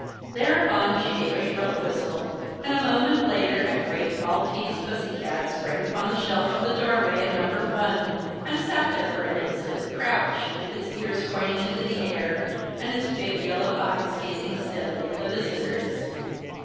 Thereupon she gave a shrill whistle, and a moment later a great Maltese pussycat sprang upon the shelf of the doorway at number 1 and sat there for an instant crouched, with its ears pointing into the air and its big yellow eyes gazing steadily at the visitors.